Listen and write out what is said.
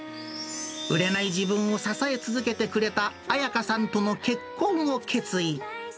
売れない自分を支え続けてくれたあやかさんとの結婚を決意。